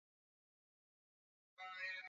ya mwaka elfu mbili na kumi na mbili